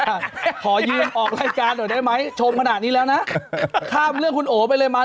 แสบดูอะบารองหน่อยได้ว่ะชมขนาดนี้แล้วนะข้ามเรื่องคุณโอ้ไล่มา